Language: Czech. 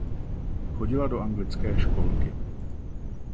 Chodila do anglické školky.